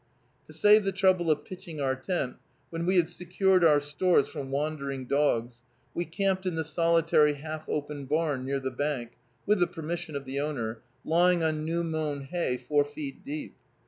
To save the trouble of pitching our tent, when we had secured our stores from wandering dogs, we camped in the solitary half open barn near the bank, with the permission of the owner, lying on new mown hay four feet deep.